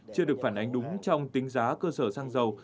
chưa được phản ánh đúng trong tính giá cơ sở xăng dầu